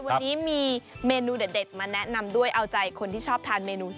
วันนี้มีเมนูเด็ดมาแนะนำด้วยเอาใจคนที่ชอบทานเมนู